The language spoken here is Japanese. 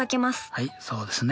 はいそうですね。